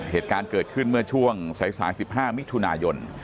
เหตุการณ์เกิดขึ้นเมื่อช่วงสาย๑๕มิถุนายน